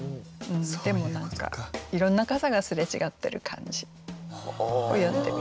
でも何かいろんな傘がすれちがってる感じを詠んでみました。